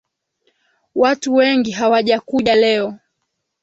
Watu wengi hawajakuja leo